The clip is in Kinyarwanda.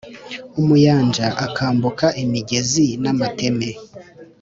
Umuyanja akambuka imigezi n’amateme